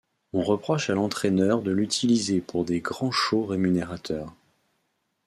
On reproche à l'entraîneur de l'utiliser pour des grands shows rémunérateurs.